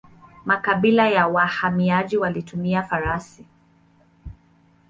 Makabila ya wahamiaji walitumia farasi.